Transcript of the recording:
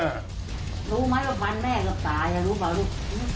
รู้มั้ยว่ามันแม่ก็ตายอ่ะรู้ป่าวลูก